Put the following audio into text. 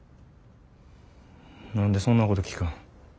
何でそんなこと聞くん。